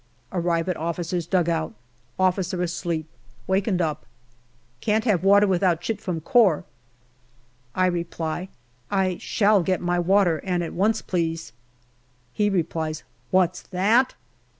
'* Arrive at officer's dugout. Officer asleep ; wakened up. " Can't have water without chit from Corps." I reply, " I shall get my water, and at once, please." He replies, " What's that